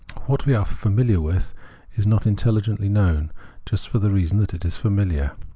What we are " famihar with " is not intelhgently known, just for the reason that it is " familiar."